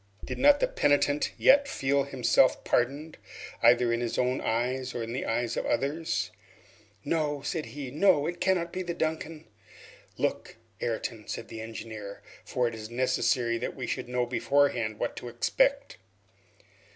Did not the penitent yet feel himself pardoned, either in his own eyes or in the eyes of others? "No," said he, "no! it cannot be the 'Duncan'!" "Look, Ayrton," then said the engineer, "for it is necessary that we should know beforehand what to expect."